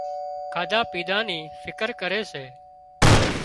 کاڌا پيڌا ني فڪر ڪري سي